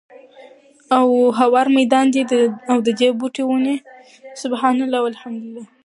او هوار ميدان دی، او ددي بوټي وني سُبْحَانَ اللهِ، وَالْحَمْدُ للهِ